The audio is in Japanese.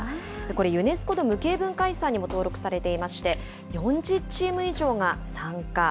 これユネスコの無形文化遺産にも登録されていまして、４０チーム以上が参加。